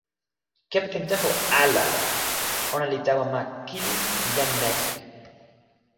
kepeken tenpo ala la, ona li tawa ma kili pi jan Mekeke.